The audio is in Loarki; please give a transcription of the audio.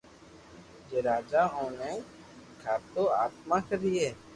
جي راجا اوني ڪآتو آتما ڪرتي